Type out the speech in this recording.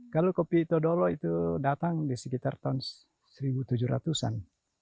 kalau kopi todolo itu datang di sekitar tahun seribu tujuh ratus an